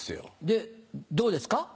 でどうですか？